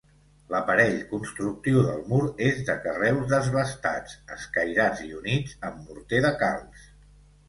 L'aparell constructiu del mur és de carreus desbastats, escairats i units amb morter de calç.